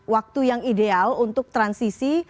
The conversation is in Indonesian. waktu yang ideal untuk transisi